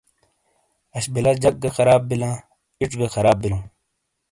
اش بیلا جک گہخراب بیلاں ایڇ گہ خراب بیلوں ۔